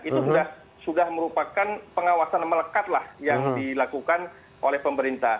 itu sudah merupakan pengawasan melekat lah yang dilakukan oleh pemerintah